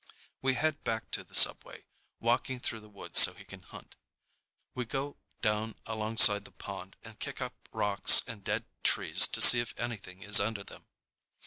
We head back to the subway, walking through the woods so he can hunt. We go down alongside the pond and kick up rocks and dead trees to see if anything is under them.